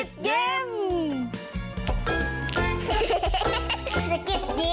สับชุดสูงเผ็ดเต้นพีคับชิ้นเข้าสุดห้ามสุดแปปเหี้ย